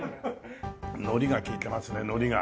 海苔が利いてますね海苔が。